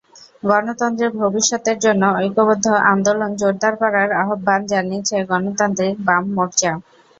গণতন্ত্রের ভবিষ্যতের জন্য ঐক্যবদ্ধ আন্দোলন জোরদার করার আহ্বান জানিয়েছে গণতান্ত্রিক বাম মোর্চা।